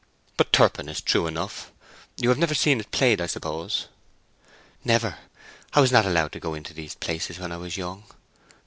But Turpin is true enough. You have never seen it played, I suppose?" "Never. I was not allowed to go into these places when I was young.